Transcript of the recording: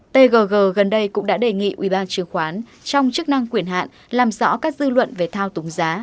tgg gần đây cũng đã đề nghị uban trường khoán trong chức năng quyển hạn làm rõ các dư luận về thao túng giá